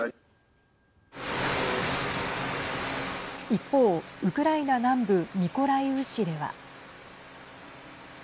一方、ウクライナ南部ミコライウ市では。